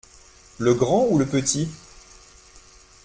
Le grand ou le petit ?